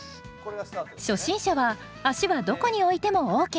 初心者は足はどこに置いてもＯＫ。